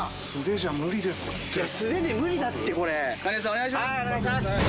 お願いします。